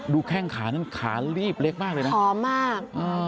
ดูแข้งขานั่นขาลีบเล็กมากเลยนะพร้อมมากอ่า